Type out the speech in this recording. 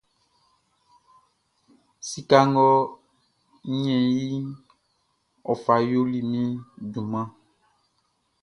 Sika nga n ɲɛnnin iʼn, n fa yoli min junmanʼn.